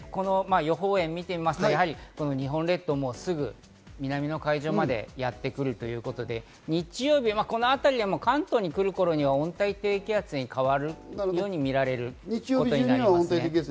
予報円を見てみますと、すぐ南の海上までやってくるということで日曜日、この辺りで関東に来る頃には温帯低気圧に変わるように見られることになります。